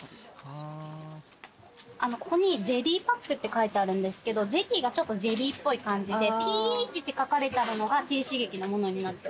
ここに「ゼリーパック」って書いてあるんですけどゼリーがちょっとゼリーっぽい感じで「ｐＨ」って書かれてあるのが低刺激なものになっております。